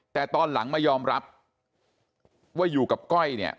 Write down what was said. แต่ตอนหลังมายอมรับว่าอยู่กับก้อยเนี่ย